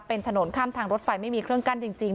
เป็นถนนข้ามทางรถไฟไม่มีเครื่องกั้นจริง